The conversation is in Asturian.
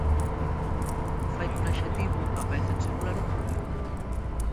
Fai qu'un axetivu apaeza en singular o en plural.